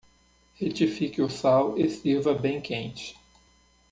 Retifique o sal e sirva bem quente.